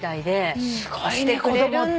すごいね子供って。